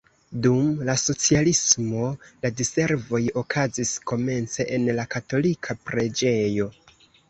Dum la socialismo la diservoj okazis komence en la katolika preĝejo.